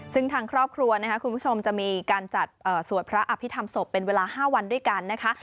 ซึ่งทางครอบครัวนะคะคุณผู้ชมจะมีการจัดสวดพระอภิษฐรรมศพเป็นเวลา๕วันด้วยกันนะคะ